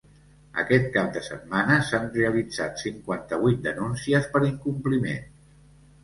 Aquest cap de setmana, s’han realitzat cinquanta-vuit denúncies per incompliments.